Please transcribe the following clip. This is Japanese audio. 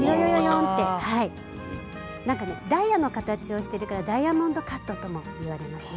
んとダイヤの形をしてるからダイヤモンドカットともいわれますね。